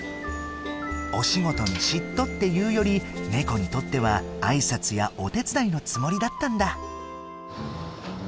お仕事に嫉妬っていうよりネコにとっては挨拶やお手伝いのつもりだったんだ！